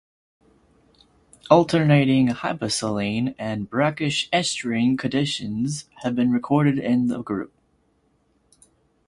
Alternating hypersaline and brackish estuarine conditions have been recorded in the group.